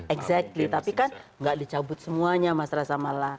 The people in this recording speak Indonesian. exactly tapi kan tidak dicabut semuanya mas raza malah